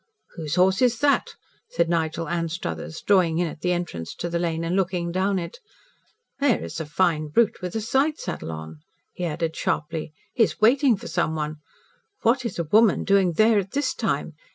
"What horse is that?" said Nigel Anstruthers, drawing in at the entrance to the lane and looking down it. "There is a fine brute with a side saddle on," he added sharply. "He is waiting for someone. What is a woman doing there at this time?